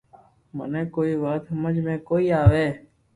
مني ڪوئي وات ھمج ۾ ڪوئي َآوي